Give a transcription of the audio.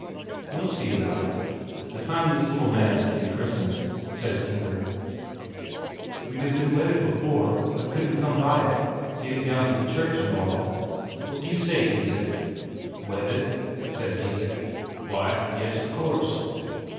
"We'll see about it, the time this little man's to be christened," says Inger. "We'd have been wedded before, but couldn't come by it, getting down to a church and all. What do you say, Isak?" "Wedded?" says Isak. "Why, yes, of course."